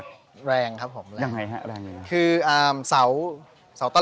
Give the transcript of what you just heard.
ชื่องนี้ชื่องนี้ชื่องนี้ชื่องนี้ชื่องนี้ชื่องนี้